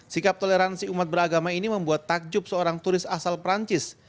sikap toleransi umat beragama ini membuat takjub seorang turis asal perancis